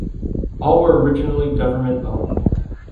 All were originally government owned.